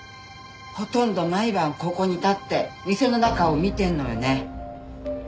ほとんど毎晩ここに立って店の中を見てんのよね。